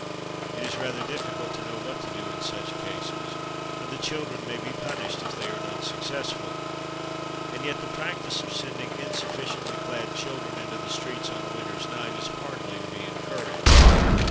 It is rather difficult to know what to do in such cases, for the children may be punished if they are not successful ; and yet the practice of sending insufficiently clad children into the streets on a winter's night is hardly to be encouraged.